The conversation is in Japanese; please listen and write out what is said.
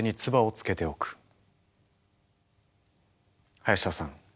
林田さん